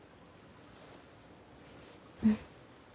うん。